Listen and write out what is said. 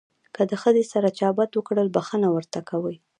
که د ښځې سره چا بد وکړل بښنه ورته کوي.